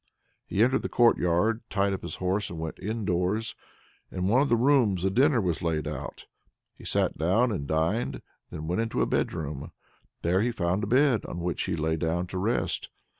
He entered the courtyard, tied up his horse, and went indoors. In one of the rooms a dinner was laid out. He sat down and dined, and then went into a bedroom. There he found a bed, on which he lay down to rest.